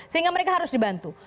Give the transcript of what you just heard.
sehingga mereka harus dibantu